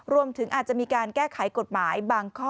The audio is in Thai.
รวมถึงอาจจะมีการแก้ไขกฎหมายบางข้อ